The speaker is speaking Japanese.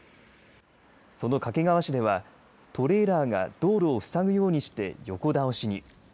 その掛川市ではトレーラーが道路をふさぐようにして横倒しに。